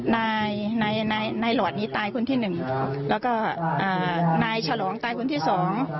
นายนายหลอดนี้ตายคนที่หนึ่งแล้วก็อ่านายฉลองตายคนที่สอง